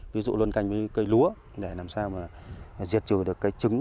ví dụ luân canh với cây lúa để làm sao mà diệt trừ được cây trứng